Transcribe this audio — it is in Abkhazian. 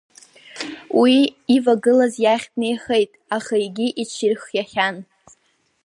Уи ивагылаз иахь деихеит, аха егьи иҽирхиахьан.